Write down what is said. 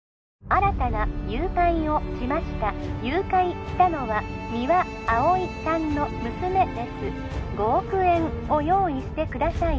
☎新たな誘拐をしました☎誘拐したのは三輪碧さんの娘です５億円を用意してください